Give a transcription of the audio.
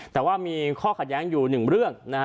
แต่ว่ามีข้อขัดแย้งอยู่หนึ่งเรื่องนะฮะ